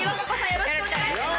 よろしくお願いします！